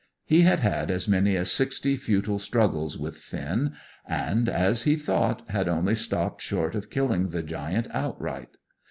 He had had as many as sixty futile struggles with Finn, and, as he thought, had only stopped short of killing the Giant outright.